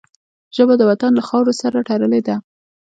ژبه د وطن له خاورو سره تړلې ده